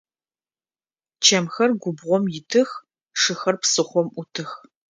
Чэмхэр губгъом итых, шыхэр псыхъом ӏутых.